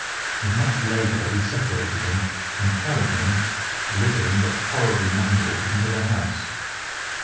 With much labour we separated them and carried him, living but horribly mangled, into the house.